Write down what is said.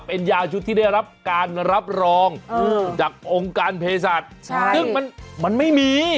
เป็นยาชุดที่ได้รับการรับรองจากองค์การเพศสัตว์ซึ่งมันไม่มี